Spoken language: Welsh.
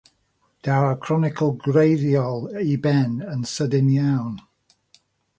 Daw'r cronicl gwreiddiol i ben yn sydyn iawn.